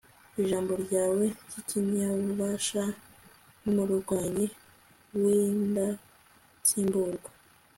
ijambo ryawe ry'irinyabubasha nk'umurwanyi w'indatsimburwa